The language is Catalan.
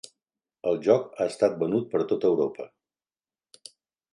El joc ha estat venut per tota Europa.